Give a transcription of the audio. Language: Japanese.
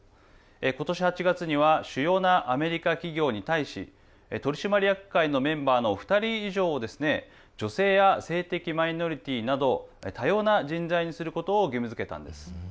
ことし８月には主要なアメリカ企業に対し取締役会のメンバーの２人以上を女性や性的マイノリティーなど多様な人材にすることを義務づけたんです。